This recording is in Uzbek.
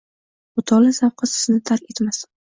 Mutolaa zavqi sizni tark etmasin